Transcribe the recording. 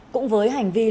cũng với hành vi lừa đảo